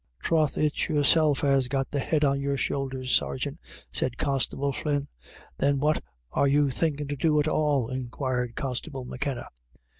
" Troth, it's yourself has got the head on your shoulders, sergeant," said Constable Flynn. "Then what are you thinkin' to do at all?" inquired Constable M'Kenna.